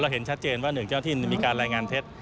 เราเห็นชัดเจนว่าหนึ่งเจ้าที่มีการสั่งการตัว